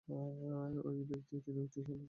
ঐ তিনটি উক্তিই ছিল আল্লাহ সংক্রান্ত।